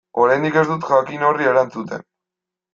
Oraindik ez dut jakin horri erantzuten.